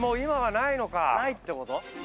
ないってこと？